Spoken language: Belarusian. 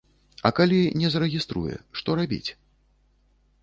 А калі не зарэгіструе, што рабіць?